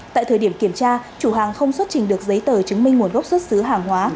tại thời điểm kiểm tra chủ hàng không xuất trình được giấy tờ chứng minh nguồn gốc xuất xứ hàng hóa